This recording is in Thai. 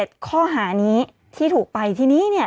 ก็คือ๗ข้อหานี้ที่ถูกไปที่นี้เนี่ย